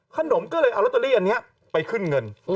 ขนมก็เลยเอาลอตเตอรี่อันนี้ไปขึ้นเงิน